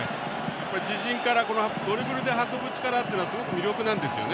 自陣からドリブルで運ぶ力はすごく魅力なんですよね。